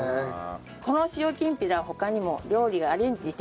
この塩きんぴらは他にも料理がアレンジできまして。